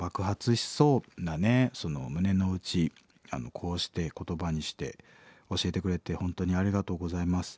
こうして言葉にして教えてくれて本当にありがとうございます。